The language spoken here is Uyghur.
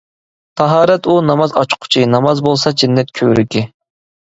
تاھارەت ئۇ ناماز ئاچقۇچى، ناماز بولسا جەننەت كۆۋرۈكى.